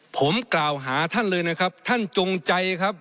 ผมกล่าวหาท่านเลยนะครับท่านจงใจครับ